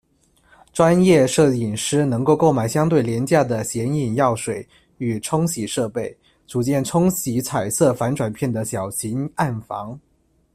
专业摄影师能够购买相对廉价的显影药水与冲洗设备，组建冲洗彩色反转片的小型暗房。